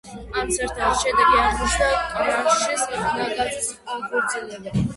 ამის ერთ-ერთი შედეგი აღმოჩნდა კრაშის ნაგაზის აღორძინება.